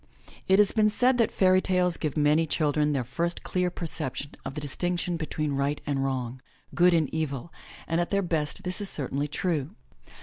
It has been said that fairy tales give many children their first clear perception of the distinction between right and wrong, good and evil, and at their best this is certainly true.